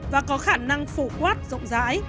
và có khả năng phổ quát rộng rãi